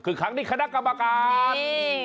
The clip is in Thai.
คือครั้งนี้คณะกรรมการ